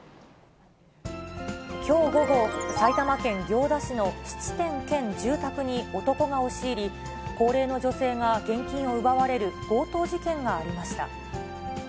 きょう午後、埼玉県行田市の質店兼住宅に男が押し入り、高齢の女性が現金を奪われる強盗事件がありました。